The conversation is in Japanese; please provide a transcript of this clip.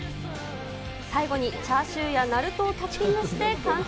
最後にチャーシューやナルトをトッピングして完成。